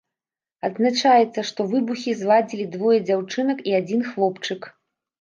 Адзначаецца, што выбухі зладзілі двое дзяўчынак і адзін хлопчык.